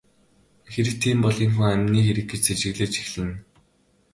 Хэрэв тийм бол энэ хүн амины хэрэг гэж сэжиглэж эхэлнэ.